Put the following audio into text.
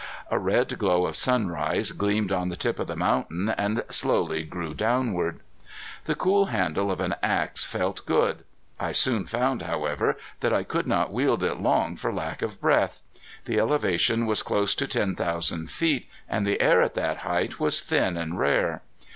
A red glow of sunrise gleamed on the tip of the mountain and slowly grew downward. The cool handle of an axe felt good. I soon found, however, that I could not wield it long for lack of breath. The elevation was close to ten thousand feet and the air at that height was thin and rare.